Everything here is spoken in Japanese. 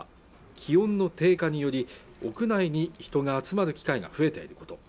気温の低下により屋内に人が集まる機会が増えていること